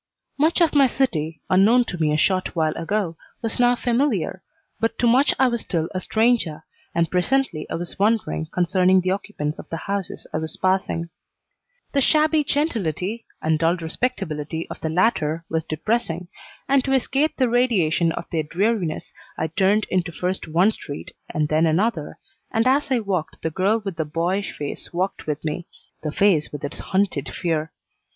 Much of my city, unknown to me a short while ago, was now familiar, but to much I was still a stranger, and presently I was wondering concerning the occupants of the houses I was passing. The shabby gentility and dull respectability of the latter was depressing, and to escape the radiation of their dreariness I turned into first one street and then another, and as I walked the girl with the boyish face walked with me, the face with its hunted fear.